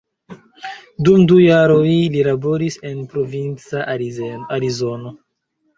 Dum du jaroj li laboris en provinca Arizono.